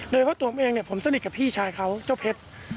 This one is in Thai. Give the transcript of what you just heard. โดยเพราะตัวนั้นเองผมสนิทกับพี่ชายเขาังเจ้าเฮส